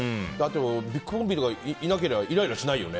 ビッグボンビーとかいなければイライラしないよね。